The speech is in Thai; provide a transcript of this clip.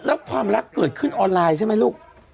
แล้วความรักเกิดขึ้นออนไลน์ใช่ไหมลูก